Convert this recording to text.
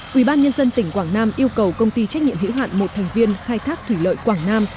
quỹ ban nhân dân tỉnh quảng nam yêu cầu công ty trách nhiệm hữu hạn một thành viên khai thác thủy lợi quảng nam